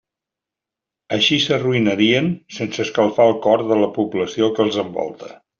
Així s'arruïnarien sense escalfar el cor de la població que els envolta.